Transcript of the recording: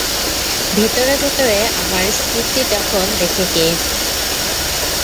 ভেতরে ভেতরে আমার স্ফুর্তি তখন দেখে কে!